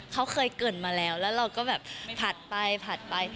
เขาเคยเกิดมาแล้วแล้วเราก็แบบผัดไปผัดไป